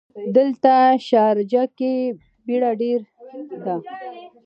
دلته شارجه ګې بیړ ډېر ده.